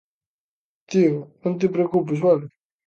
Tío, non te preocupes, vale?